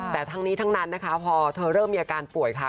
แต่ทั้งนี้ทั้งนั้นนะคะพอเธอเริ่มมีอาการป่วยค่ะ